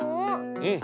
うん。